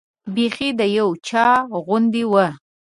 بیخي د یو چا غوندې وه.